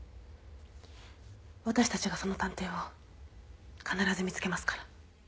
私たちがその探偵を必ず見つけますから。